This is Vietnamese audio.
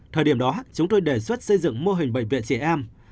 thời điểm đó chúng tôi đề xuất xây dựng mô hình bệnh viện trẻ em